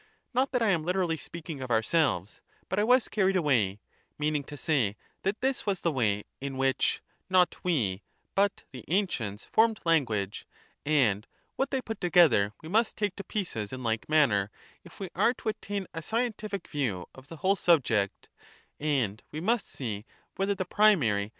Not that I am literally speaking of ourselves, but I was carried away — meaning to say that this was the way in which (not we but) the ancients formed language, and what they put together we must take to pieces in like manner, if we are to attain a scientific view of the whole subject ; and we must see whether the primary, ' Letters which are neither vowels nor semivowels.